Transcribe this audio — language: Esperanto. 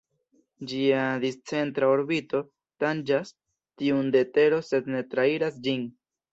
Ĝia discentra orbito tanĝas tiun de Tero sed ne trairas ĝin.